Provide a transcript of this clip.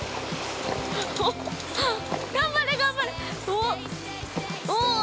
頑張れ頑張れ。